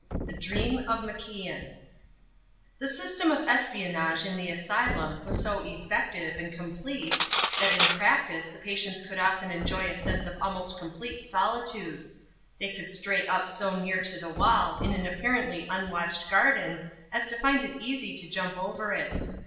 THE DREAM OF MACIAN The system of espionage in the asylum was so effective and complete that in practice the patients could often enjoy a sense of almost complete solitude. They could stray up so near to the wall in an apparently unwatched garden as to find it easy to jump over it.